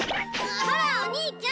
ほらお兄ちゃん！